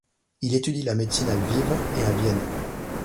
Il étudie la médecine à Lviv et à Vienne.